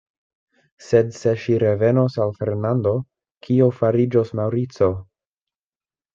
Sed se ŝi revenos al Fernando, kio fariĝos Maŭrico?